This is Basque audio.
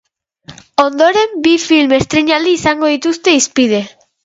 Ondoren, bi film estreinaldi izango dituzte hizpide.